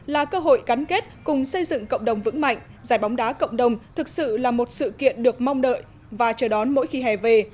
là cơ hội cắn kết cùng xây dựng cộng đồng vững mạnh giải bóng đá cộng đồng thực sự là một sự kiện được mong đợi và chờ đón mỗi khi hè về